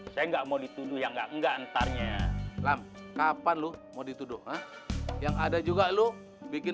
saya nggak mau dituduh yang nggak ngga antarnya lam kapan lu mau dituduh yang ada juga lu bikin